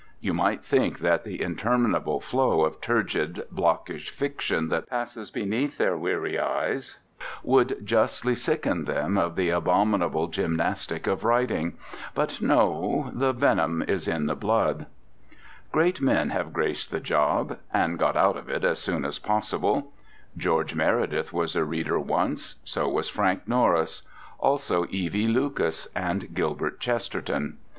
You might think that the interminable flow of turgid blockish fiction that passes beneath their weary eyes would justly sicken them of the abominable gymnastic of writing. But no: the venom is in the blood. Great men have graced the job—and got out of it as soon as possible. George Meredith was a reader once; so was Frank Norris; also E.V. Lucas and Gilbert Chesterton.